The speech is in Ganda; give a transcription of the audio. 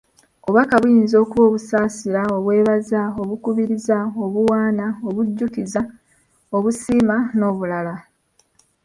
Obubaka buyinza okuba obusaasira, obwebaza, obukubiriza, obuwaana, obujjukiza, obusiima n'obulala.